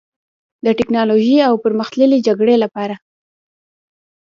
د ټیکنالوژۍ او پرمختللې جګړې لپاره